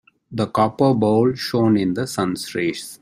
The copper bowl shone in the sun's rays.